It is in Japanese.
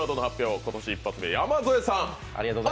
今年１発目、山添さん。